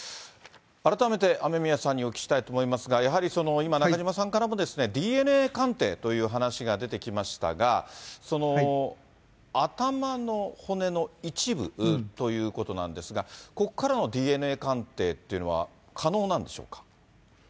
改めて雨宮さんにお聞きしたいと思いますが、やはり今、中島さんからもＤＮＡ鑑定という話が出てきましたが、頭の骨の一部ということなんですが、ここからのＤＮＡ鑑定っていうのは可能なんでしょうか。